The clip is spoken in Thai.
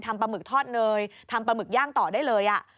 ปลาหมึกทอดเนยทำปลาหมึกย่างต่อได้เลย